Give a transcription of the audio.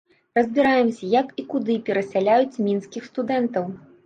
Разбіраемся, як і куды перасяляюць мінскіх студэнтаў.